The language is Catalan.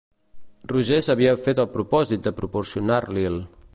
Roger s'havia fet el propòsit de proporcionar-li'l.